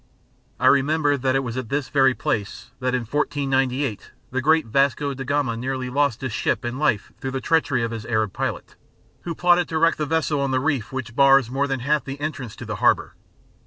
I remembered that it was at this very place that in 1498 the great Vasco da Gama nearly lost his ship and life through the treachery of his Arab pilot, who plotted to wreck the vessel on the reef which bars more than half the entrance to the harbour.